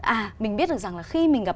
à mình biết được rằng là khi mình gặp